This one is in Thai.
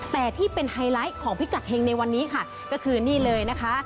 แต่ที่เป็นไฮไลท์ของพิกัดเฮงในวันนี้ค่ะก็คือนี่เลยนะคะ